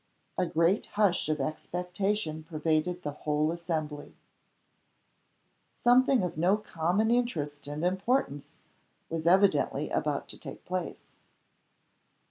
A great hush of expectation pervaded the whole assembly. Something of no common interest and importance was evidently about to take place.